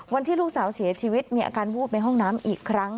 วันที่ลูกสาวเสียชีวิตมีอาการวูบในห้องน้ำอีกครั้ง